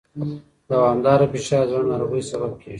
دوامداره فشار د زړه ناروغیو سبب کېږي.